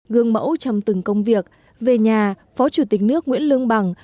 gương mẫu trong từng công việc về nhà phó chủ tịch nước nguyễn lương bằng